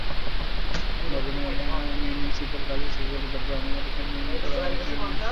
বর্ধমানের municipal girls school ও কলকাতার ব্রাহ্ম বালিকা বিদ্যালয়ে পড়ার পর তিনি বেথুন কলেজে ভর্তি হন।